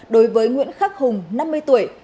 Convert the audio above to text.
đối với nguyễn khắc hùng năm mươi tuổi